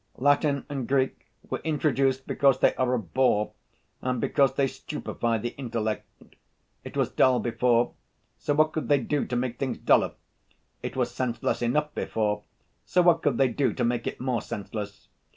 "Latin and Greek were introduced because they are a bore and because they stupefy the intellect. It was dull before, so what could they do to make things duller? It was senseless enough before, so what could they do to make it more senseless?